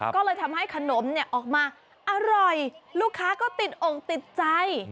ก็เลยทำให้ขนมเนี่ยออกมาอร่อยลูกค้าก็ติดอกติดใจ